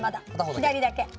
左だけ。